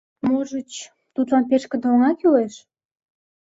Можыч, тудлан пешкыде оҥа кӱлеш?